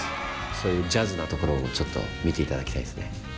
そういうジャズなところもちょっと見ていただきたいですね。